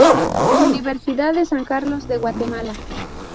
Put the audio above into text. Universidad de San Carlos de Guatemala.